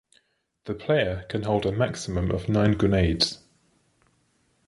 The player can hold a maximum of nine grenades.